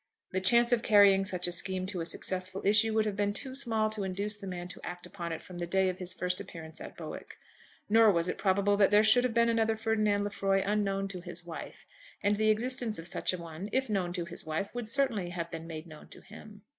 The chance of carrying such a scheme to a successful issue would have been too small to induce the man to act upon it from the day of his first appearance at Bowick. Nor was it probable that there should have been another Ferdinand Lefroy unknown to his wife; and the existence of such a one, if known to his wife, would certainly have been made known to him.